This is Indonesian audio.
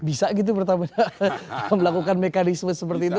bisa gitu pertamina melakukan mekanisme seperti itu